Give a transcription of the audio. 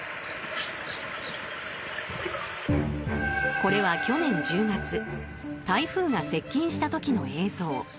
これは去年１０月台風が接近した時の映像。